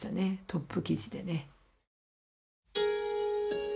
トップ記事でね。